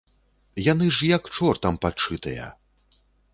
Яны ж, як чортам падшытыя.